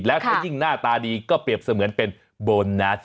แล้วถ้ายิ่งหน้าตาดีก็เปรียบเสมือนเป็นโบนัส